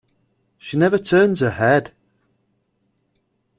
She never turns her head.